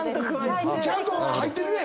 ちゃんと入ってるね？